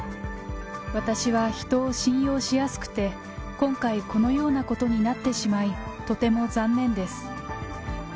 私は人を信用しやすくて、今回、このようなことになってしまい、とても残念です。